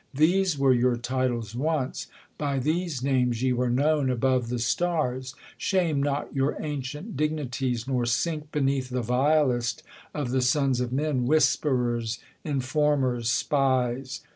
These were your titles once ; By these names ye were known above the stars : Shame not your ancient dignities, nor sink Beneath the vilest of the sons of men. Whisperers, iriformers, spies.